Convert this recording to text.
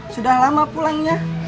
sudah lama pulangnya